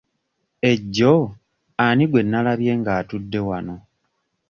Ejjo ani gwe nalabye nga atudde wano?